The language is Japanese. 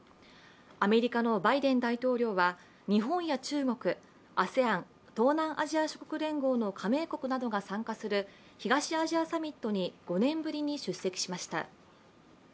アメリカのバイデン大統領は日本や中国、ＡＳＥＡＮ＝東南アジア諸国連合の加盟国などが参加する東アジアサミットに５年ぶりに出席しました。